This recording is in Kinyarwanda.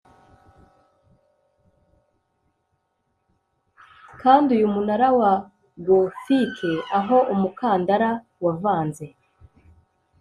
kandi uyu munara wa gothique aho umukandara wavanze